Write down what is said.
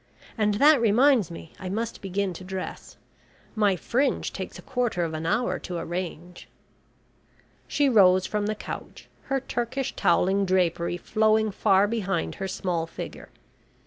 And that reminds me I must begin to dress. My fringe takes a quarter of an hour to arrange." She rose from the couch, her Turkish towelling drapery flowing far behind her small figure.